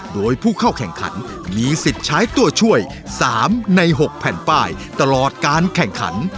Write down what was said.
โดยผู้เข้าแข่งขันมีสิทธิ์ใช้ตัวช่วย๓ใน๖แผ่นป้ายตลอดการแข่งขัน